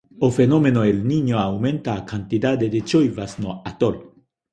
O fenómeno El Niño aumenta a cantidade de choivas no atol.